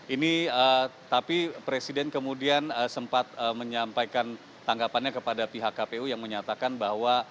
ini tapi presiden kemudian sempat menyampaikan tanggapannya kepada pihak kpu yang menyatakan bahwa